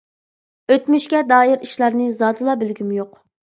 ئۆتمۈشكە دائىر ئىشلارنى زادىلا بىلگۈم يوق.